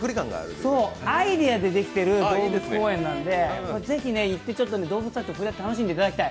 アイデアでできている動物公園なんでぜひ行って、動物たちとふれあって楽しんでいただきたい。